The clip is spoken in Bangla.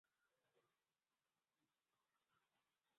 অতঃপর একজনকে হত্যা করে ও অপরজনকে ক্ষমা করে দেয়।